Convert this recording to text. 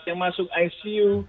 yang masuk icu